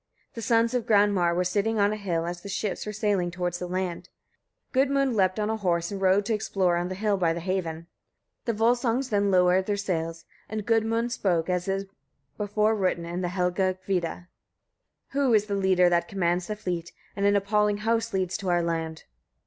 The sons of Granmar were sitting on a hill as the ships were sailing towards the land. Gudmund leapt on a horse, and rode to explore on the hill by the haven. The Volsungs then lowered their sails, and Gudmund spoke as is before written in the Helgakvida: "Who is the leader that commands the fleet, and an appalling host leads to our land?"